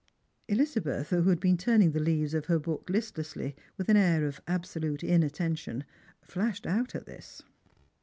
Elizabeth, who had been turning the leaves of her book list lessly with an air of absolute inattention, flashed out at this.